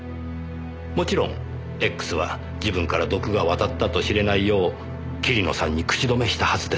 もちろんＸは自分から毒が渡ったと知れないよう桐野さんに口止めしたはずです。